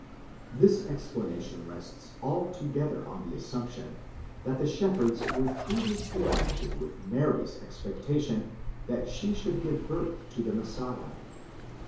This explanation. rests altogether on the assumption, that the shepherds were previously acquainted with Mary's expectation that she should give birth to the Messiah.